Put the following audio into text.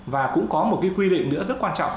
và cũng có một cái quy định nữa rất quan trọng